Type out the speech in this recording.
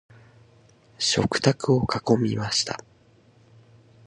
食卓を囲みました。